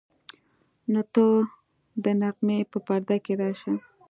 نو ته د نغمې په پرده کې راشه.